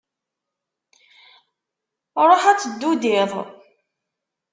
Ṛuḥ ad teddudiḍ!